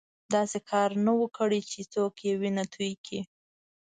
داسې کار نه وو کړی چې څوک یې وینه توی کړي.